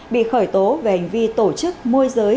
bị khởi tố về hành vi tổ chức môi giới